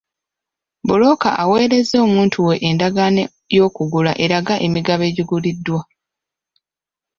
Bbulooka aweereza omuntu we endagaano y'okugula eraga emigabo egiguliddwa.